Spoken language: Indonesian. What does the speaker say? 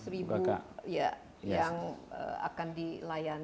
tiga ratus ribu yang akan dilayani